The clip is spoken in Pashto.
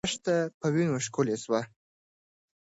دښته په وینو ښکلې سوه.